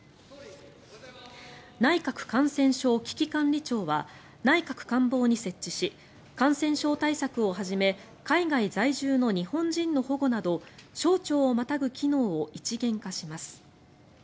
内閣感染症危機管理庁は内閣官房に設置し感染症対策をはじめ海外在住の日本人の保護など省庁をまたぐ機能を一元化します。